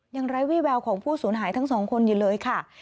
ไร้วิแววของผู้สูญหายทั้งสองคนอยู่เลยค่ะ